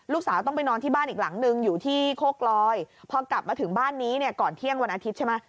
ลูกสาวต้องไปนอนที่บ้านอีกหลังนึงอยู่ที่โคกลอยพอกลับมาถึงบ้านนี้เนี่ยก่อนเที่ยงวันอาทิตย์ใช่ไหม